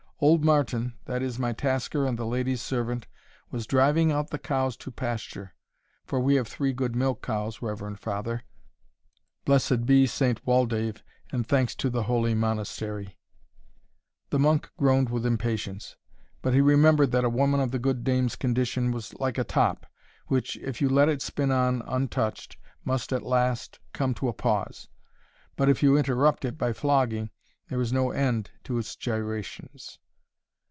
Old Martin, that is my tasker and the lady's servant, was driving out the cows to the pasture for we have three good milk cows, reverend father, blessed be Saint Waldave, and thanks to the holy Monastery " The monk groaned with impatience; but he remembered that a woman of the good dame's condition was like a top, which, if you let it spin on untouched, must at last come to a pause; but, if you interrupt it by flogging, there is no end to its gyrations.